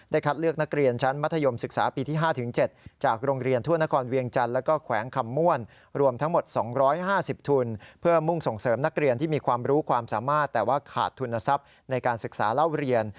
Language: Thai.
คัดเลือกนักเรียนชั้นมัธยมศึกษาปีที่๕๗จากโรงเรียนทั่วนครเวียงจันทร์แล้วก็แขวงคำม่วนรวมทั้งหมด๒๕๐ทุนเพื่อมุ่งส่งเสริมนักเรียนที่มีความรู้ความสามารถแต่ว่าขาดทุนทรัพย์ในการศึกษาเล่าเรียน